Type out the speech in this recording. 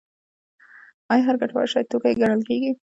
آیا هر ګټور شی توکی ګڼل کیږي؟